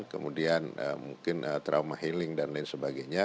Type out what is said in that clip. kemudian mungkin trauma healing dan lain sebagainya